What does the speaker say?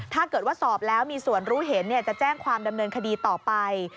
ถ้าเกิดว่าสอบแล้วมีส่วนรู้เห็นจะแจ้งความดำเนินคดีต่อไป